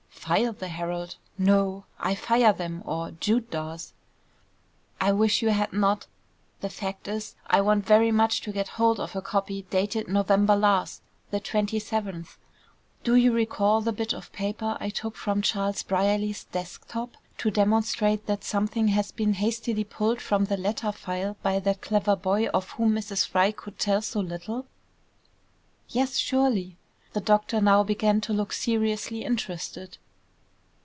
"File the Herald! No, I fire them, or Jude does." "I wish you had not. The fact is I want very much to get hold of a copy dated November last, the 27th. Do you recall the bit of paper I took from Charles Brierly's desk top to demonstrate that something had been hastily pulled from the letter file by that clever boy of whom Mrs. Fry could tell so little?" "Yes; surely." The doctor now began to look seriously interested.